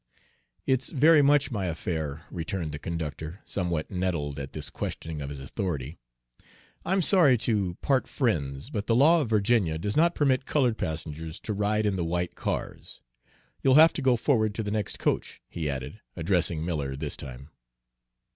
"It's very much my affair," returned the conductor, somewhat nettled at this questioning of his authority. "I'm sorry to part friends, but the law of Virginia does not permit colored passengers to ride in the white cars. You'll have to go forward to the next coach," he added, addressing Miller this time.